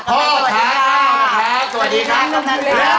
พ่อค้าข้าวค่ะสวัสดีค่ะกำนันค่ะ